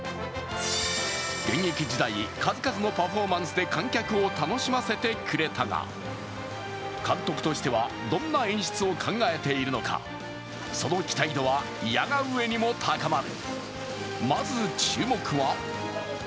現役時代、数々のパフォーマンスで観客を楽しませてくれたが、監督としてはどんな演出を考えているのかその期待度はいやが上にも高まる。